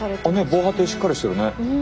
防波堤しっかりしてるね。